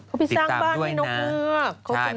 เขาไปสร้างบ้านให้นกเงือก